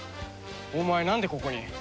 お前なんでここに？